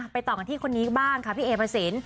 ต่อกันที่คนนี้บ้างค่ะพี่เอพระสิน